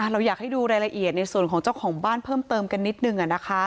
เราอยากให้ดูรายละเอียดในส่วนของเจ้าของบ้านเพิ่มเติมกันนิดนึง